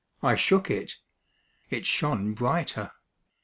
I shook it. It shone brighter.